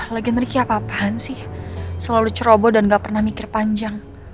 lagi nerik ya apa apaan sih selalu ceroboh dan gak pernah mikir panjang